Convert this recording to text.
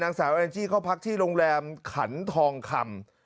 นางสาวแอนจี้เข้าพักที่โรงแรมขันทองคำ